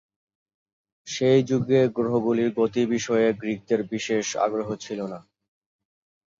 সেই যুগে গ্রহগুলির গতির বিষয়ে গ্রিকদের বিশেষ আগ্রহ ছিল না।